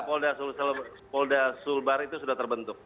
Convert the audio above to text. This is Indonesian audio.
polda sulbar itu sudah terbentuk